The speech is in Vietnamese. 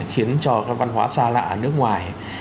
khiến cho văn hóa xa lạ ở nước ngoài